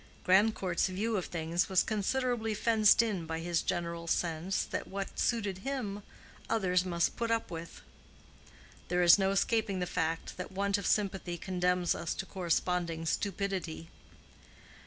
Grandcourt's view of things was considerably fenced in by his general sense, that what suited him others must put up with. There is no escaping the fact that want of sympathy condemns us to corresponding stupidity.